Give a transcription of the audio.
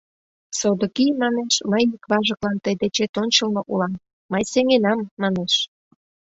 — Содыки, манеш, мый ик важыклан тый дечет ончылно улам, мый сеҥенам, манеш.